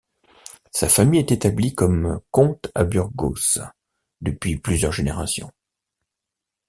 Sa famille est établie comme comte à Burgos depuis plusieurs générations.